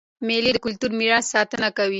مېلې د کلتوري میراث ساتنه کوي.